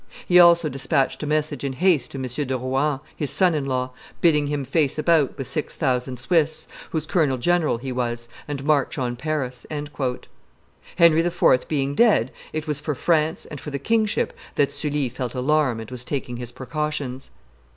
He also despatched a message in haste to M. de Rohan, his son in law, bidding him face about with six thousand Swiss, whose colonel general he was, and march on Paris." Henry IV. being dead, it was for France and for the kingship that Sully felt alarm and was taking his precautions.